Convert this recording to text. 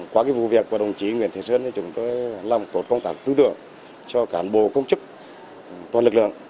qua cái vụ việc của đồng chí nguyễn thế sơn thì chúng tôi làm tốt công tác tư tượng cho cán bộ công chức toàn lực lượng